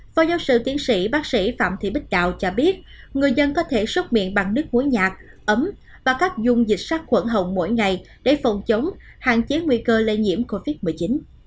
phó giáo sư tiến sĩ bác sĩ phạm thị bích đạo cho biết người dân có thể xúc miệng bằng nước muối nhạc ấm và các dung dịch sát khuẩn hồng mỗi ngày để phòng chống hạn chế nguy cơ lây nhiễm covid một mươi chín